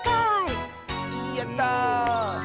やった！